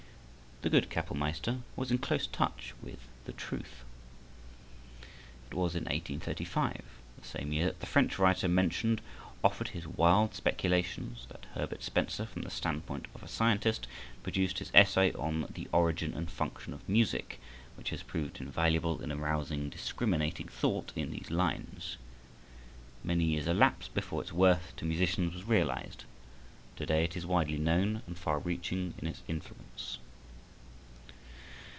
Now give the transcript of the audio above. The good Capellmeister was in close touch with the Truth. It was in 1835, the same year that the French writer mentioned offered his wild speculations, that Herbert Spencer, from the standpoint of a scientist, produced his essay on the "Origin and Function of Music," which has proved invaluable in arousing discriminating thought in these lines. Many years elapsed before its worth to musicians was realized. To day it is widely known and far reaching in its influence.